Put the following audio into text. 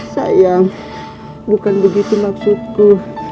sayang bukan begitu maksudku